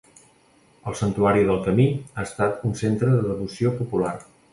El santuari del Camí ha estat un centre de devoció popular.